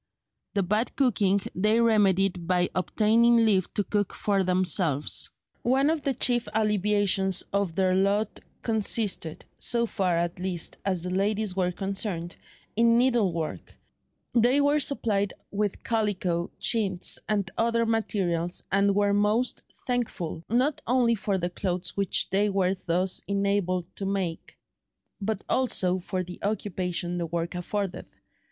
The bad cooking they remedied by obtaining leave to cook for themselves. One of the chief alleviations of their lot consisted—so far, at least, as the ladies were concerned—in needlework; they were supplied with calico, chintz, and other materials, and were most thankful, not only for the clothes which they were thus enabled to make, but also for the occupation the work afforded.